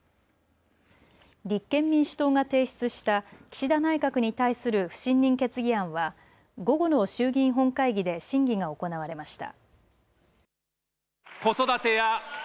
立憲民主党が提出した岸田内閣に対する不信任決議案は午後の衆議院本会議で審議が行われました。